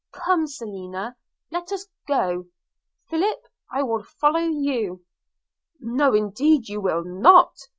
Come Selina, let us go – Philip, I will follow you.' 'No, indeed you will not!'